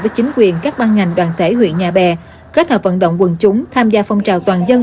với chính quyền các ban ngành đoàn thể huyện nhà bè kết hợp vận động quần chúng tham gia phong trào toàn dân